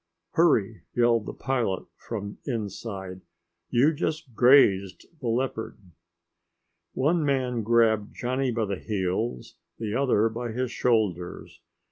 "Hurry," yelled the pilot from inside. "You just grazed the leopard." One man grabbed Johnny by the heels, the other by his shoulders.